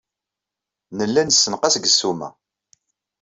Nella nessenqas deg ssuma.